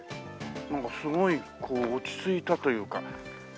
なんかすごいこう落ち着いたというか。